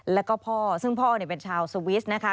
แล้วก็พ่อซึ่งพ่อเป็นชาวสวิสนะคะ